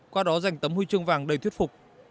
qua đó dành tấm huy chương vàng đầy thuyết phục